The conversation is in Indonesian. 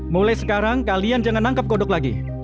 mulai sekarang kalian jangan nangkep kodok lagi